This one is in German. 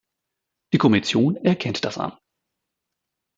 Die Kommission erkennt das an.